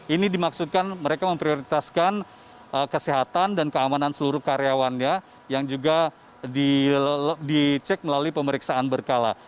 ini dimaksudkan mereka memprioritaskan kesehatan dan keamanan seluruh karyawannya yang juga dicek melalui pemeriksaan berkala